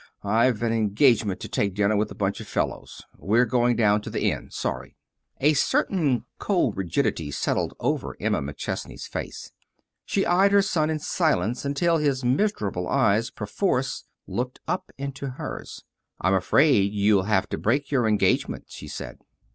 "I've an engagement to take dinner with a bunch of the fellows. We're going down to the Inn. Sorry." A certain cold rigidity settled over Emma McChesney's face. She eyed her son in silence until his miserable eyes, perforce, looked up into hers. "I'm afraid you'll have to break your engagement," she said.